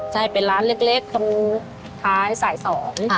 ใช่เป็นร้านเล็กตรงท้ายสายสอง